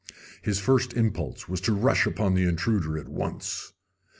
His first impulse was to rush upon the intruder at once.